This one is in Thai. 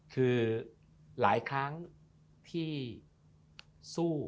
คือหลายครั้งที่สู้